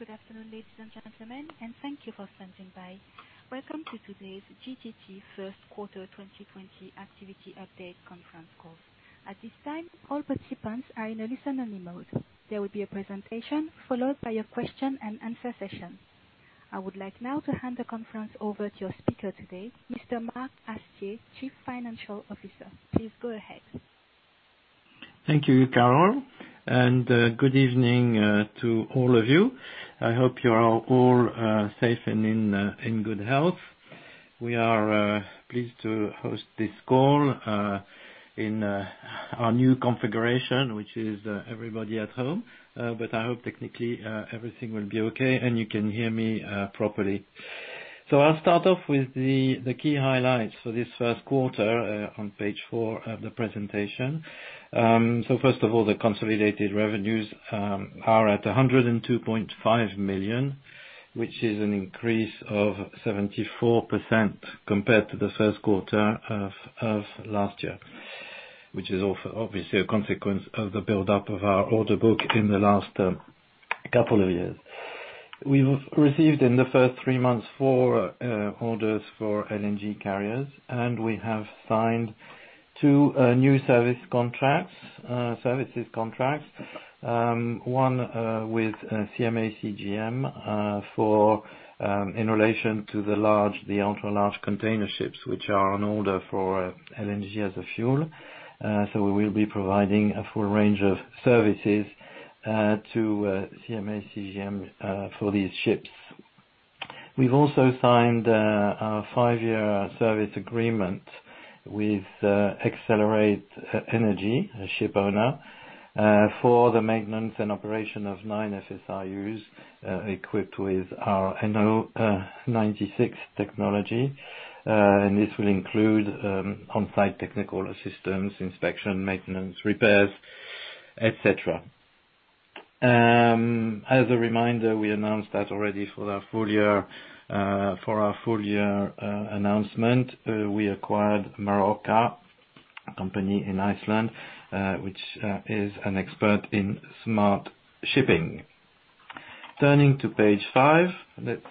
Good afternoon, ladies and gentlemen, and thank you for standing by. Welcome to today's GTT First Quarter 2020 Activity Update Conference Call. At this time, all participants are in a listen-only mode. There will be a presentation followed by a question-and-answer session. I would like now to hand the conference over to your speaker today, Mr. Marc Haestier, Chief Financial Officer. Please go ahead. Thank you, Carole, and good evening to all of you. I hope you are all safe and in good health. We are pleased to host this call in our new configuration, which is everybody at home, but I hope technically everything will be okay and you can hear me properly. I'll start off with the key highlights for this first quarter on page four of the presentation. First of all, the consolidated revenues are at 102.5 million, which is an increase of 74% compared to the first quarter of last year, which is obviously a consequence of the build-up of our order book in the last couple of years. We've received in the first three months four orders for LNG carriers, and we have signed two new services contracts, one with CMA CGM in relation to the large container ships, which are on order for LNG as a fuel. So we will be providing a full range of services to CMA CGM for these ships. We've also signed a five-year service agreement with Excelerate Energy, a shipowner, for the maintenance and operation of nine FSRUs equipped with our NO96 technology. And this will include on-site technical assistance, inspection, maintenance, repairs, etc. As a reminder, we announced that already for our full-year announcement, we acquired Marorka, a company in Iceland, which is an expert in smart shipping. Turning to page five, let's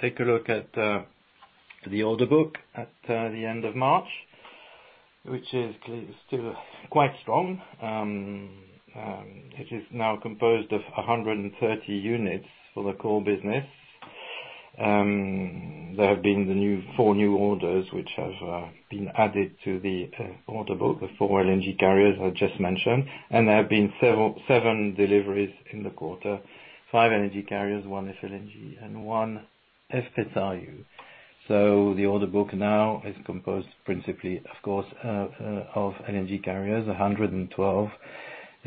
take a look at the order book at the end of March, which is still quite strong. It is now composed of 130 units for the core business. There have been four new orders which have been added to the order book, the four LNG carriers I just mentioned, and there have been seven deliveries in the quarter: five LNG carriers, one FLNG, and one FSRU. So the order book now is composed principally, of course, of LNG carriers: 112,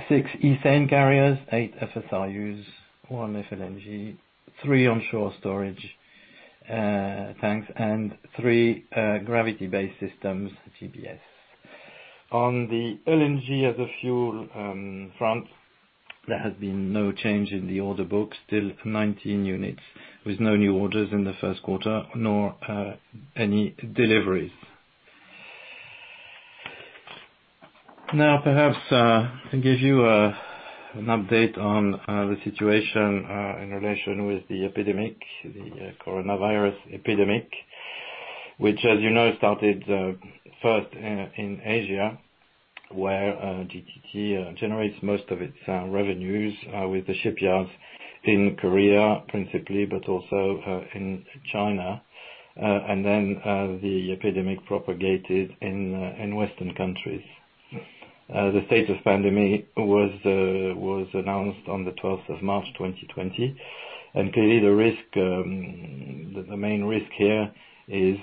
six ethane carriers, eight FSRUs, one FLNG, three onshore storage tanks, and three gravity-based systems, GBS. On the LNG as a fuel front, there has been no change in the order book, still 19 units with no new orders in the first quarter nor any deliveries. Now, perhaps to give you an update on the situation in relation with the epidemic, the coronavirus epidemic, which, as you know, started first in Asia, where GTT generates most of its revenues with the shipyards in Korea principally, but also in China, and then the epidemic propagated in Western countries. The COVID-19 pandemic was announced on the 12th of March 2020, and clearly the main risk here is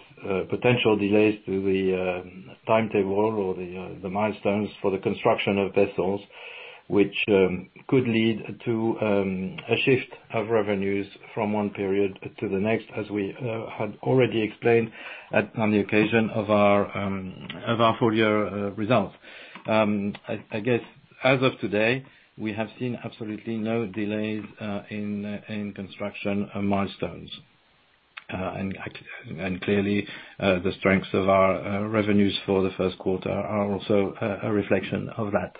potential delays to the timetable or the milestones for the construction of vessels, which could lead to a shift of revenues from one period to the next, as we had already explained on the occasion of our full-year results. I guess as of today, we have seen absolutely no delays in construction milestones, and clearly the strengths of our revenues for the first quarter are also a reflection of that.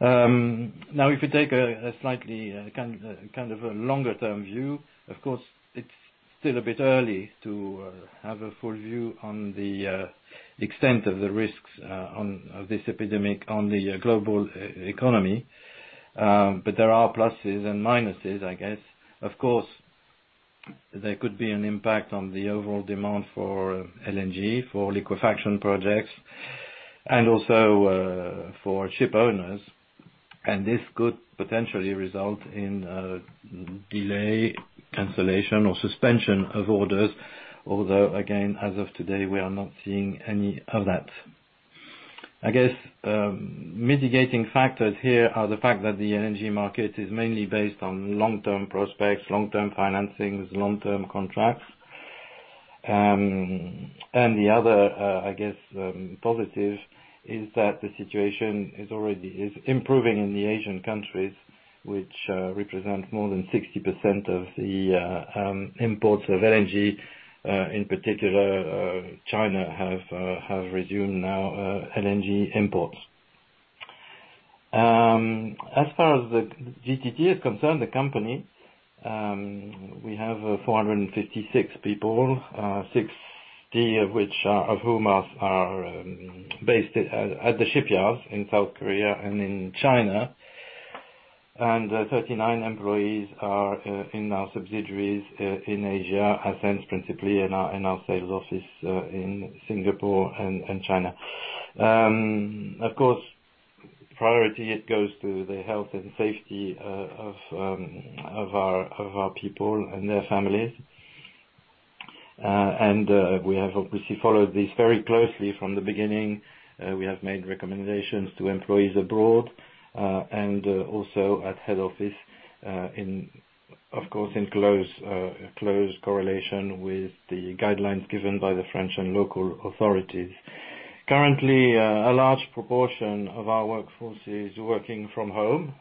Now, if you take a slightly kind of a longer-term view, of course, it's still a bit early to have a full view on the extent of the risks of this epidemic on the global economy, but there are pluses and minuses, I guess. Of course, there could be an impact on the overall demand for LNG, for liquefaction projects, and also for shipowners, and this could potentially result in delay, cancellation, or suspension of orders, although again, as of today, we are not seeing any of that. I guess mitigating factors here are the fact that the energy market is mainly based on long-term prospects, long-term financing, long-term contracts, and the other, I guess, positive is that the situation is improving in the Asian countries, which represent more than 60% of the imports of LNG. In particular, China has resumed now LNG imports. As far as GTT is concerned, the company, we have 456 people, 60 of whom are based at the shipyards in South Korea and in China, and 39 employees are in our subsidiaries in Asia, Ascenz principally, and our sales office in Singapore and China. Of course, priority it goes to the health and safety of our people and their families, and we have obviously followed this very closely from the beginning. We have made recommendations to employees abroad and also at head office, of course, in close correlation with the guidelines given by the French and local authorities. Currently, a large proportion of our workforce is working from home,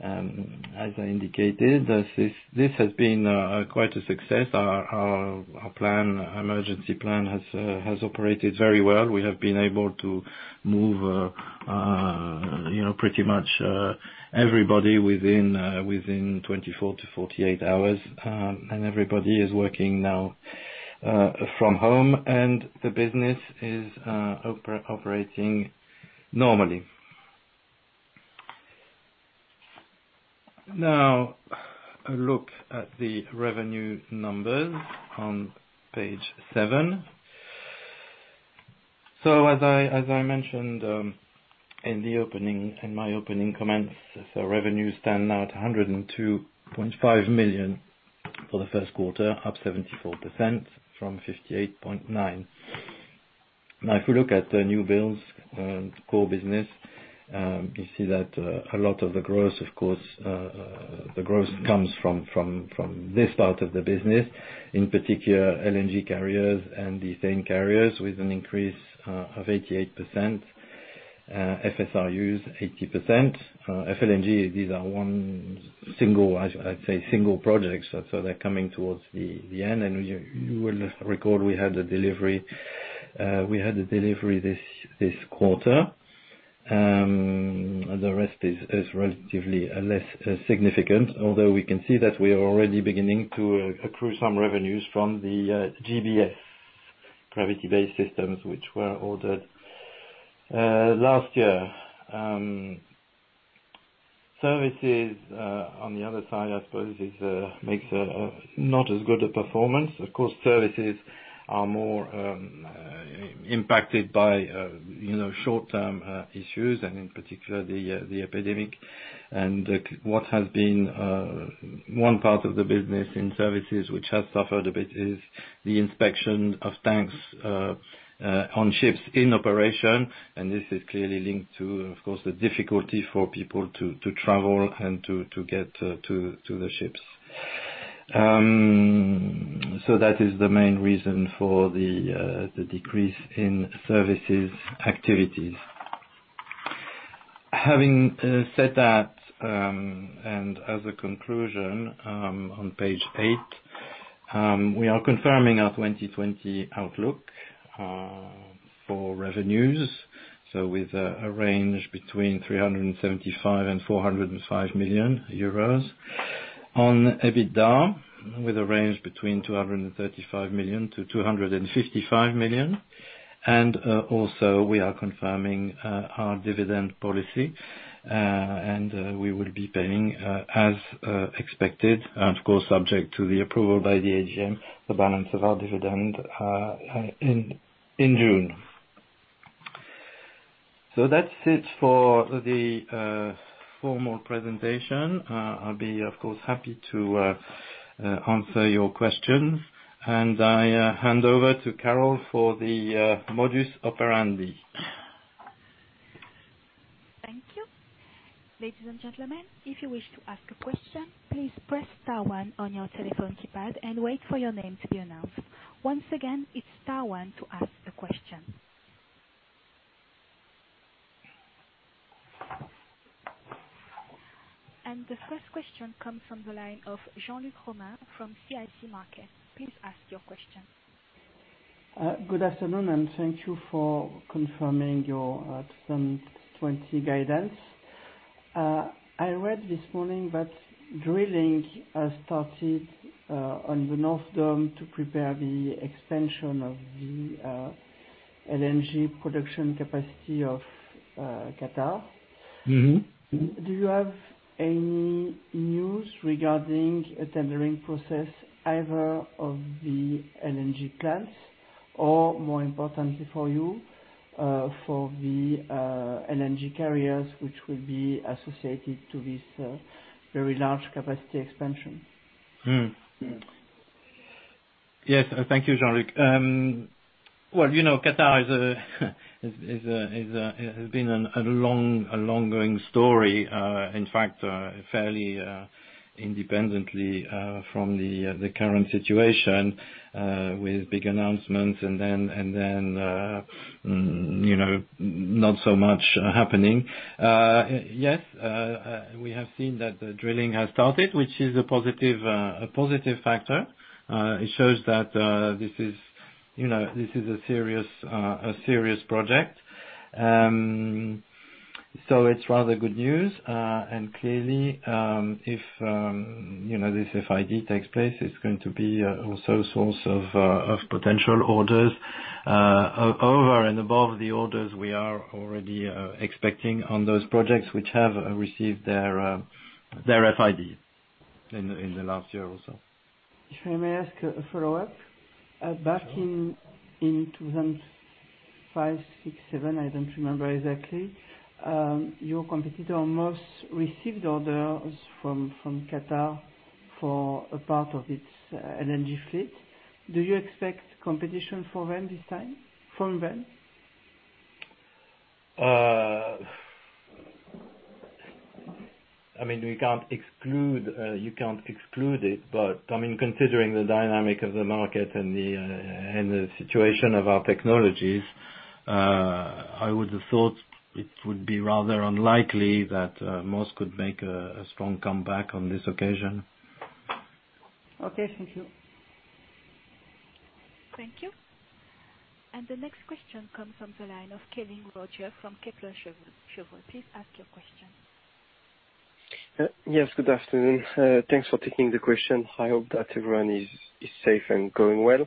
as I indicated. This has been quite a success. Our emergency plan has operated very well. We have been able to move pretty much everybody within 24-48 hours, and everybody is working now from home, and the business is operating normally. Now, a look at the revenue numbers on page seven, so as I mentioned in my opening comments, so revenues stand now at 102.5 million for the first quarter, up 74% from 58.9 million. Now, if we look at the new builds, core business, you see that a lot of the growth, of course, the growth comes from this part of the business, in particular LNG carriers and ethane carriers with an increase of 88%, FSRUs 80%. FLNG, these are one, I'd say, single projects, so they're coming towards the end, and you will recall we had a delivery this quarter. The rest is relatively less significant, although we can see that we are already beginning to accrue some revenues from the GBS, gravity-based systems, which were ordered last year. Services, on the other side, I suppose, makes not as good a performance. Of course, services are more impacted by short-term issues, and in particular the epidemic. And what has been one part of the business in services which has suffered a bit is the inspection of tanks on ships in operation, and this is clearly linked to, of course, the difficulty for people to travel and to get to the ships. So that is the main reason for the decrease in services activities. Having said that, and as a conclusion, on page eight, we are confirming our 2020 outlook for revenues, so with a range between 375 million and 405 million euros. On EBITDA, with a range between 235 million to 255 million. And also, we are confirming our dividend policy, and we will be paying as expected, and of course, subject to the approval by the AGM, the balance of our dividend in June. So that's it for the formal presentation. I'll be, of course, happy to answer your questions, and I hand over to Carole for the modus operandi. Thank you. Ladies and gentlemen, if you wish to ask a question, please press star one on your telephone keypad and wait for your name to be announced. Once again, it's star one to ask a question. And the first question comes from the line of Jean-Luc Romain from CIC Market. Please ask your question. Good afternoon, and thank you for confirming your 2020 guidance. I read this morning that drilling has started on the North Dome to prepare the extension of the LNG production capacity of Qatar. Do you have any news regarding the tendering process either of the LNG plants or, more importantly for you, for the LNG carriers which will be associated to this very large capacity expansion? Yes, thank you, Jean-Luc, well, you know Qatar has been a long-going story, in fact, fairly independently from the current situation with big announcements and then not so much happening. Yes, we have seen that the drilling has started, which is a positive factor. It shows that this is a serious project, so it's rather good news, and clearly, if this FID takes place, it's going to be also a source of potential orders, over and above the orders we are already expecting on those projects which have received their FID in the last year or so. If I may ask a follow-up, back in 2005, 2006, 2007, I don't remember exactly, your competitor Moss received orders from Qatar for a part of its LNG fleet. Do you expect competition from them this time? I mean, we can't exclude it, but I mean, considering the dynamic of the market and the situation of our technologies, I would have thought it would be rather unlikely that Moss could make a strong comeback on this occasion. Okay, thank you. Thank you. And the next question comes from the line of Kévin Roger from Kepler Cheuvreux. Please ask your question. Yes, good afternoon. Thanks for taking the question. I hope that everyone is safe and going well.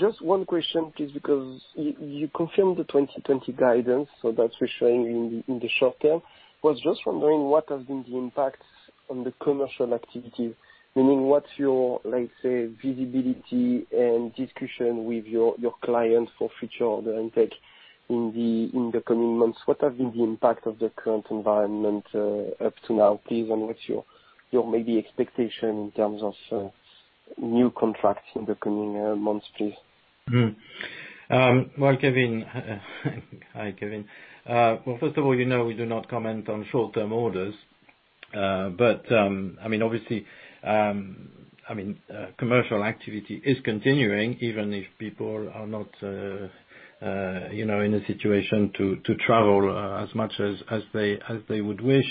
Just one question, please, because you confirmed the 2020 guidance, so that's what we're showing you in the short term. I was just wondering what has been the impact on the commercial activity, meaning what's your, let's say, visibility and discussion with your clients for future order intake in the coming months? What has been the impact of the current environment up to now, please, and what's your maybe expectation in terms of new contracts in the coming months, please? Kévin, hi Kévin. First of all, you know we do not comment on short-term orders, but I mean, obviously, I mean, commercial activity is continuing even if people are not in a situation to travel as much as they would wish,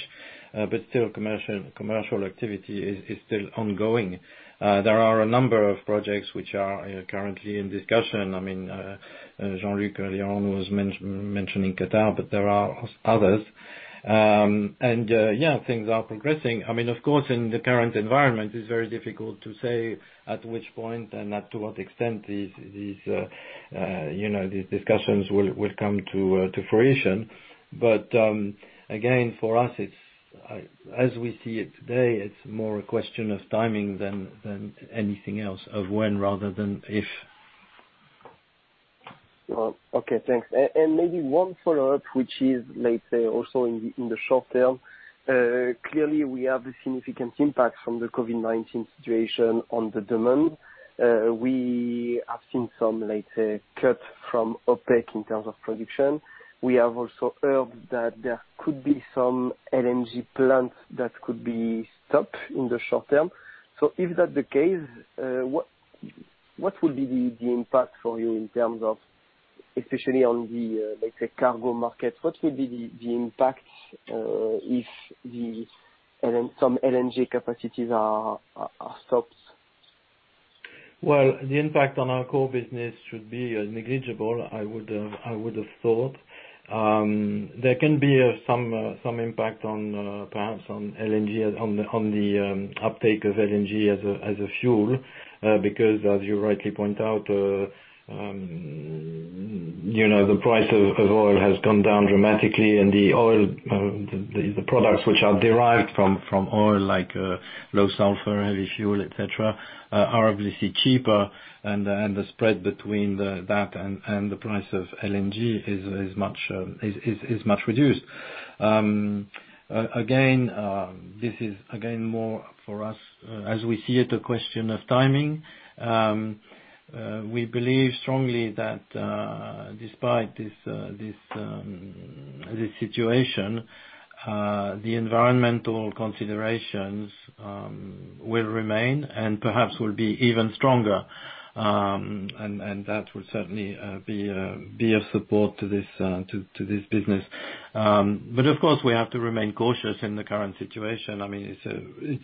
but still commercial activity is still ongoing. There are a number of projects which are currently in discussion. I mean, Jean-Luc Romain was mentioning Qatar, but there are others, and yeah, things are progressing. I mean, of course, in the current environment, it's very difficult to say at which point and to what extent these discussions will come to fruition. But again, for us, as we see it today, it's more a question of timing than anything else, of when rather than if. Okay, thanks. And maybe one follow-up, which is, let's say, also in the short term, clearly we have a significant impact from the COVID-19 situation on the demand. We have seen some, let's say, cuts from OPEC in terms of production. We have also heard that there could be some LNG plants that could be stopped in the short term. So if that's the case, what would be the impact for you in terms of, especially on the, let's say, cargo markets? What would be the impact if some LNG capacities are stopped? The impact on our core business should be negligible, I would have thought. There can be some impact perhaps on the uptake of LNG as a fuel because, as you rightly point out, the price of oil has gone down dramatically, and the products which are derived from oil, like low sulfur, heavy fuel, etc., are obviously cheaper, and the spread between that and the price of LNG is much reduced. Again, this is more for us, as we see it, a question of timing. We believe strongly that despite this situation, the environmental considerations will remain and perhaps will be even stronger, and that will certainly be of support to this business. But of course, we have to remain cautious in the current situation. I mean,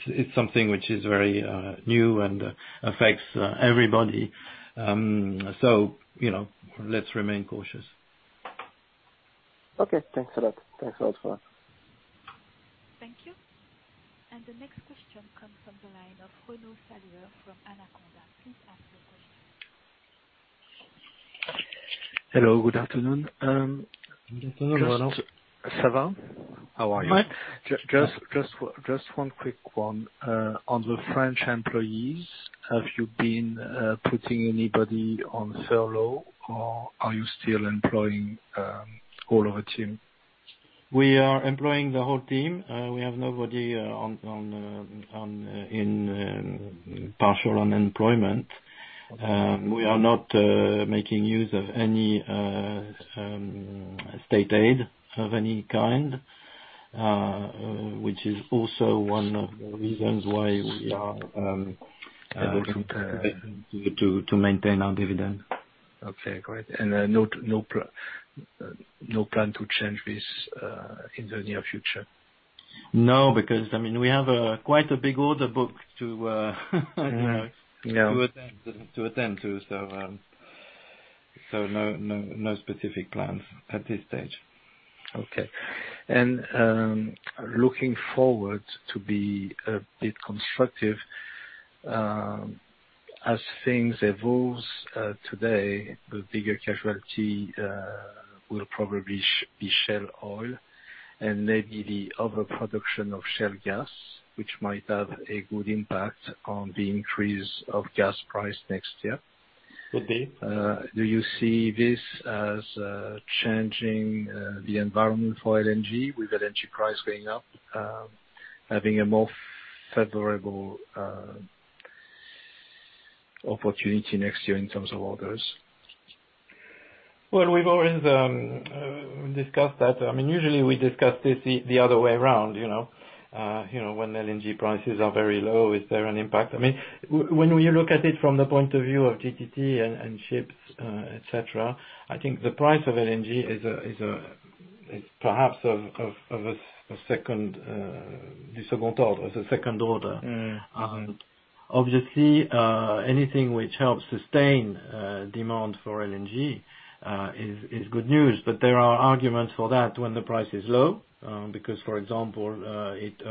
it's something which is very new and affects everybody. Let's remain cautious. Okay, thanks a lot. Thanks a lot for that. Thank you. And the next question comes from the line of Renaud Saleur from Anaconda. Please ask your question. Hello, good afternoon. Good afternoon, Renaud. How are you? Just one quick one. On the French employees, have you been putting anybody on furlough, or are you still employing all of the team? We are employing the whole team. We have nobody in partial unemployment. We are not making use of any state aid of any kind, which is also one of the reasons why we are able to maintain our dividend. Okay, great, and no plan to change this in the near future? No, because I mean, we have quite a big order book to attend to, so no specific plans at this stage. Okay. And looking forward to be a bit constructive, as things evolve today, the bigger casualty will probably be shale oil and maybe the overproduction of shale gas, which might have a good impact on the increase of gas price next year. Do you see this as changing the environment for LNG with LNG price going up, having a more favorable opportunity next year in terms of orders? We've always discussed that. I mean, usually we discuss this the other way around. When LNG prices are very low, is there an impact? I mean, when you look at it from the point of view of GTT and ships, etc., I think the price of LNG is perhaps of the second order, the second order. Obviously, anything which helps sustain demand for LNG is good news, but there are arguments for that when the price is low because, for example, it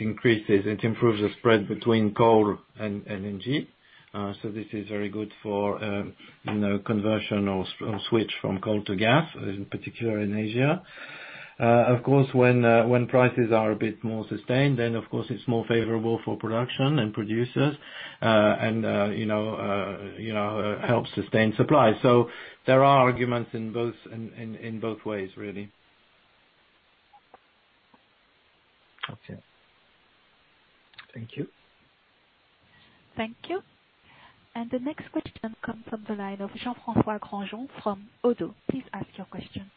increases, it improves the spread between coal and LNG. So this is very good for conversion or switch from coal to gas, in particular in Asia. Of course, when prices are a bit more sustained, then, of course, it's more favorable for production and producers and helps sustain supply. So there are arguments in both ways, really. Okay. Thank you. Thank you. And the next question comes from the line of Jean-François Granjon from ODDO. Please ask your question.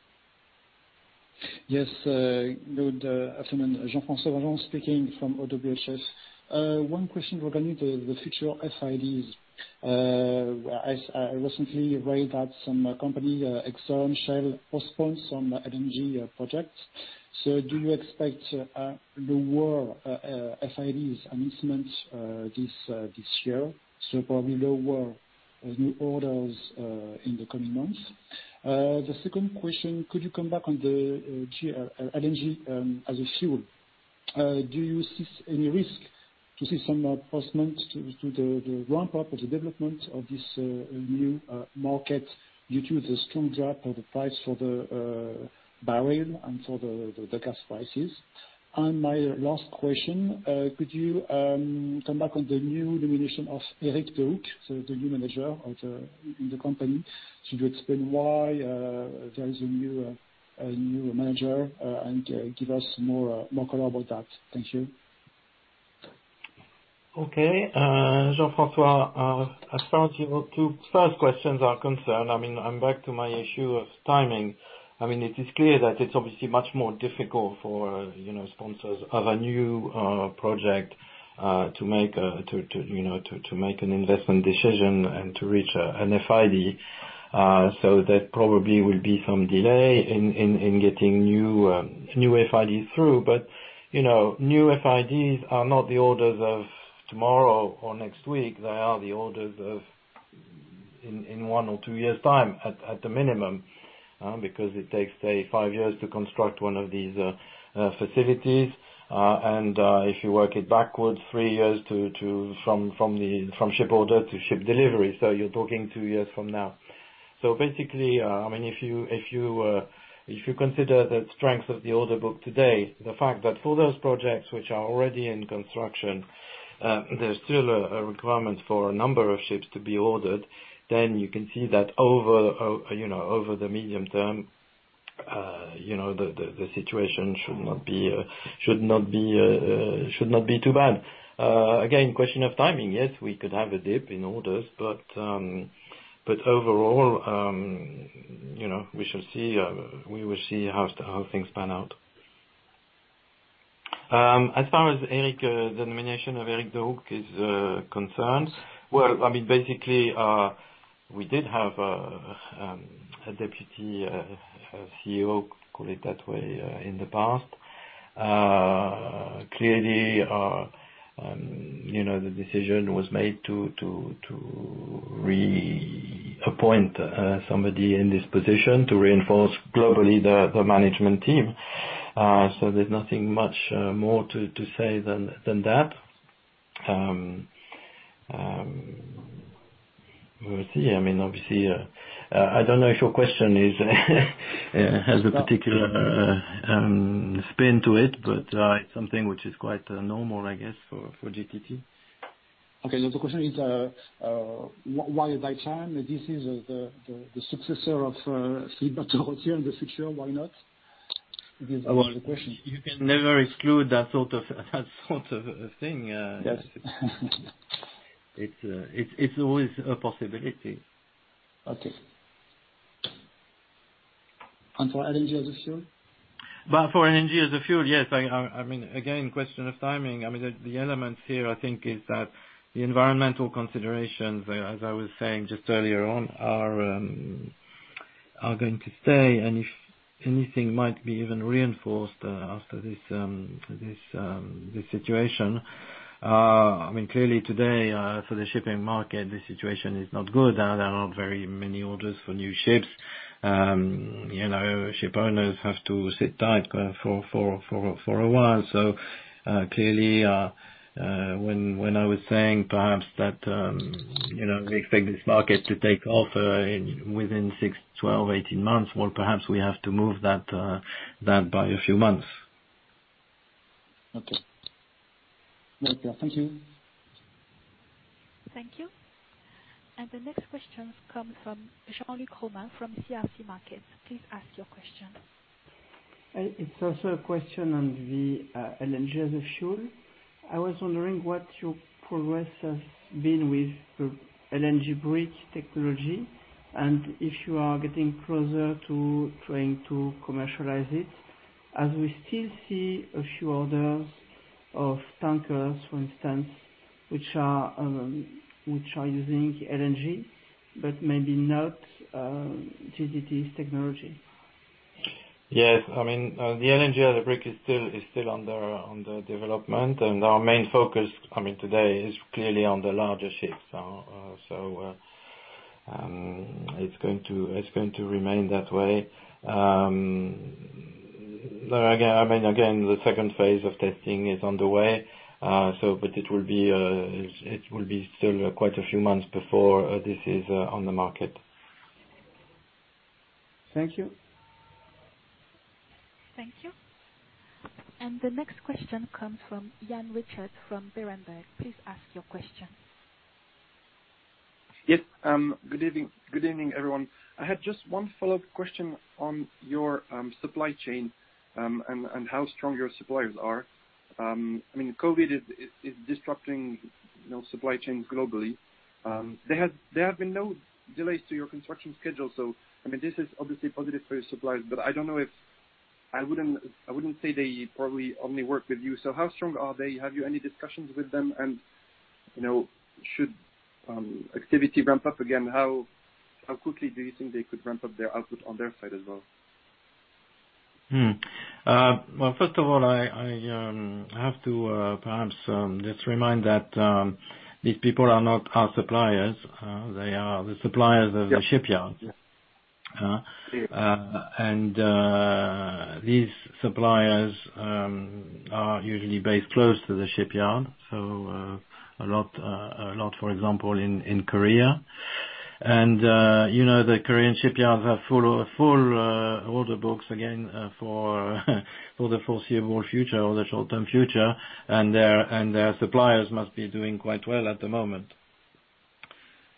Yes, good afternoon. Jean-François Granjon speaking from ODDO BHF. One question regarding the future FIDs. I recently read that some company, ExxonMobil, Shell, postponed some LNG projects. So do you expect lower FIDs announcements this year? So probably lower new orders in the coming months. The second question, could you come back on the LNG as a fuel? Do you see any risk to see some postponement to the ramp-up of the development of this new market due to the strong drop of the price for the barrel and for the gas prices? And my last question, could you come back on the new nomination of Eric Béranger, the new manager in the company? Could you explain why there is a new manager and give us more color about that? Thank you. Okay. Jean-François, as far as your two first questions are concerned, I mean, I'm back to my issue of timing. I mean, it is clear that it's obviously much more difficult for sponsors of a new project to make an investment decision and to reach an FID. So there probably will be some delay in getting new FIDs through, but new FIDs are not the orders of tomorrow or next week. They are the orders of in one or two years' time, at the minimum, because it takes, say, five years to construct one of these facilities, and if you work it backwards, three years from ship order to ship delivery. So you're talking two years from now. So basically, I mean, if you consider the strength of the order book today, the fact that for those projects which are already in construction, there's still a requirement for a number of ships to be ordered, then you can see that over the medium term, the situation should not be too bad. Again, question of timing. Yes, we could have a dip in orders, but overall, we shall see how things pan out. As far as the nomination of Eric Béranger is concerned, well, I mean, basically, we did have a Deputy CEO, call it that way, in the past. Clearly, the decision was made to reappoint somebody in this position to reinforce globally the management team. So there's nothing much more to say than that. We'll see. I mean, obviously, I don't know if your question has a particular spin to it, but it's something which is quite normal, I guess, for GTT. Okay. Another question is, why by chance? This is the successor of Philippe Berterottière in the future. Why not? This is the question. You can never exclude that sort of thing. It's always a possibility. Okay. And for LNG as a fuel? For LNG as a fuel, yes. I mean, again, question of timing. I mean, the elements here, I think, is that the environmental considerations, as I was saying just earlier on, are going to stay, and if anything might be even reinforced after this situation. I mean, clearly, today, for the shipping market, the situation is not good. There are not very many orders for new ships. Ship owners have to sit tight for a while. So clearly, when I was saying perhaps that we expect this market to take off within six, 12, 18 months, well, perhaps we have to move that by a few months. Okay. Thank you. Thank you. And the next question comes from Jean-Luc Romain from CIC Market. Please ask your question. It's also a question on the LNG as a fuel. I was wondering what your progress has been with LNG Brick technology and if you are getting closer to trying to commercialize it. As we still see a few orders of tankers, for instance, which are using LNG, but maybe not GTT's technology. Yes. I mean, the LNG Brick is still under development, and our main focus, I mean, today, is clearly on the larger ships. So it's going to remain that way. I mean, again, the second phase of testing is underway, but it will be still quite a few months before this is on the market. Thank you. Thank you. And the next question comes from Jan Richard from Berenberg. Please ask your question. Yes. Good evening, everyone. I had just one follow-up question on your supply chain and how strong your suppliers are. I mean, COVID is disrupting supply chains globally. There have been no delays to your construction schedule, so I mean, this is obviously positive for your suppliers, but I don't know if I wouldn't say they probably only work with you. So how strong are they? Have you any discussions with them? And should activity ramp up again, how quickly do you think they could ramp up their output on their side as well? Well, first of all, I have to perhaps just remind that these people are not our suppliers. They are the suppliers of the shipyard. And these suppliers are usually based close to the shipyard, so a lot, for example, in Korea. And the Korean shipyards have full order books, again, for the foreseeable future or the short-term future, and their suppliers must be doing quite well at the moment.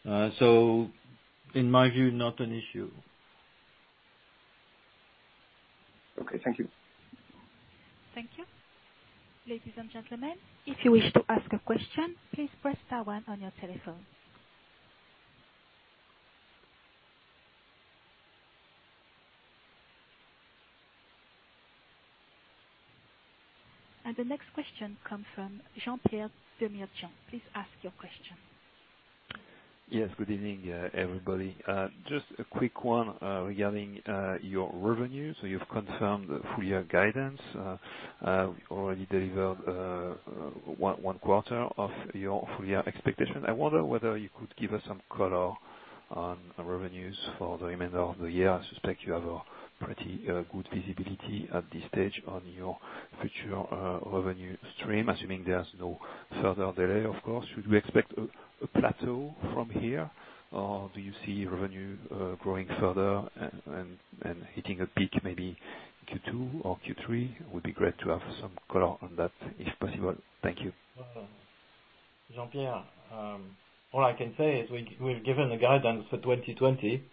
So in my view, not an issue. Okay. Thank you. Thank you. Ladies and gentlemen, if you wish to ask a question, please press star one on your telephone. The next question comes from Jean-Pierre Dmirdjian. Please ask your question. Yes. Good evening, everybody. Just a quick one regarding your revenue. So you've confirmed the full-year guidance, already delivered one quarter of your full-year expectation. I wonder whether you could give us some color on revenues for the remainder of the year. I suspect you have a pretty good visibility at this stage on your future revenue stream, assuming there's no further delay, of course. Should we expect a plateau from here, or do you see revenue growing further and hitting a peak, maybe Q2 or Q3? It would be great to have some color on that, if possible. Thank you. Jean-Pierre, all I can say is we've given the guidance for 2020.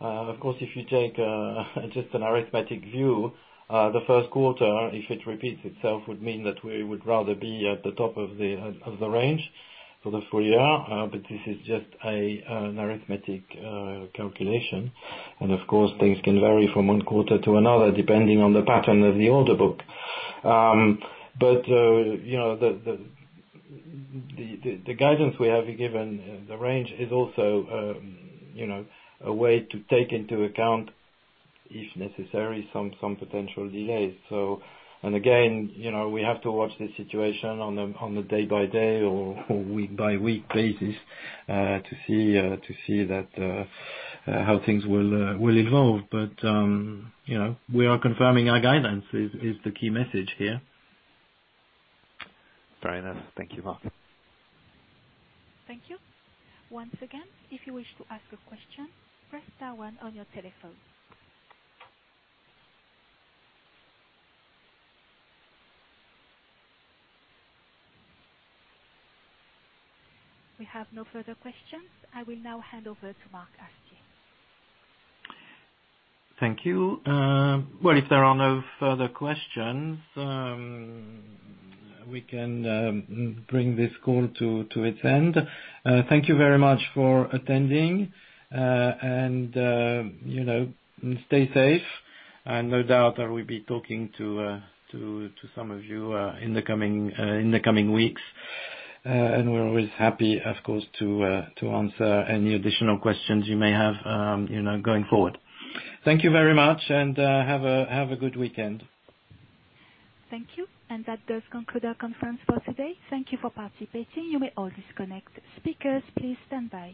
Of course, if you take just an arithmetic view, the first quarter, if it repeats itself, would mean that we would rather be at the top of the range for the full year. But this is just an arithmetic calculation. And of course, things can vary from one quarter to another depending on the pattern of the order book. But the guidance we have given, the range, is also a way to take into account, if necessary, some potential delays. And again, we have to watch this situation on a day-by-day or week-by-week basis to see how things will evolve. But we are confirming our guidance is the key message here. Very nice. Thank you very much. Thank you. Once again, if you wish to ask a question, press star one on your telephone. We have no further questions. I will now hand over to Marc Haestier. Thank you. If there are no further questions, we can bring this call to its end. Thank you very much for attending, and stay safe. No doubt I will be talking to some of you in the coming weeks. We're always happy, of course, to answer any additional questions you may have going forward. Thank you very much, and have a good weekend. Thank you. And that does conclude our conference for today. Thank you for participating. You may all disconnect. Speakers, please stand by.